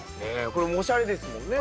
これもおしゃれですもんね。